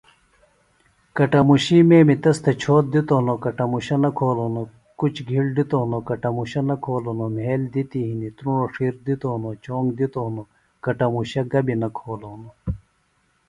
کٹموشی میمی تس تھےۡ چھوت دِتوۡ ہنوۡ، کٹموشہ نہ کھولوۡ ہنوۡ، کُچ گِھیڑ دِتوۡ ہنوۡ، کٹموشہ نہ کھولوۡ ہنوۡ، مھیل دِتیۡ ہنیۡ، نرُوݨ دِتوۡ ہنوۡ، چونگ دِتوۡ ہنوۡ، کٹموشہ گبیۡ نہ کھولوۡ ہنوۡ